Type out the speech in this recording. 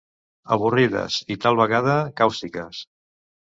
Avorrides i, tal vegada, càustiques.